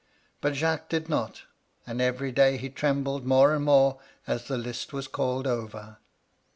But Jacques did not, and every day he trembled more and more as the list was called over.